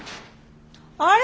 あれ。